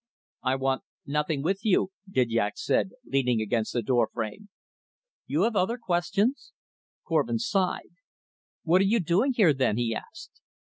"I want nothing with you," Didyak said, leaning against the door frame. "You have other questions?" Korvin sighed. "What are you doing here, then?" he asked.